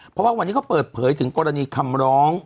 เพราะว่าวันนี้เขาเปิดเผยถึงกรณีคำร้อง